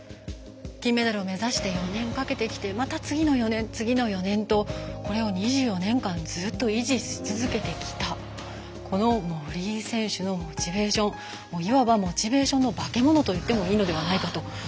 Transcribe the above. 金メダルを目指して４年かけてきてまた次の４年、次の４年とこれを２４年間ずっと維持し続けてきたこの森井選手のモチベーションいわばモチベーションの化け物といってもいいのではないかと。